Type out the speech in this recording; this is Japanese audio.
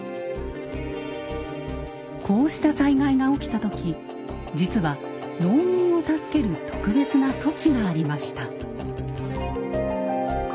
こうした災害が起きた時実は農民を助ける特別な措置がありました。